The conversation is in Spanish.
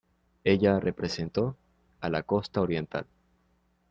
Ella representó a la Costa Oriental.